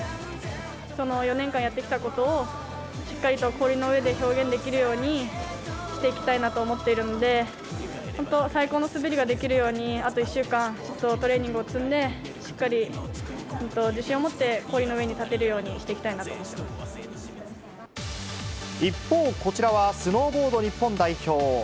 その４年間やってきたことを、しっかりと氷の上で表現できるようにしていきたいなと思っているので、本当、最高の滑りができるように、あと１週間、本当、トレーニングを積んで、しっかり自信を持って氷の上に立てるようにしていきたいなと思っ一方、こちらはスノーボード日本代表。